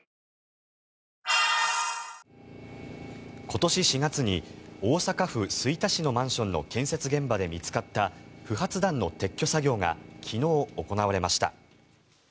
今年４月に大阪府吹田市のマンションの建設現場で見つかった不発弾の撤去作業が昨日、行われました。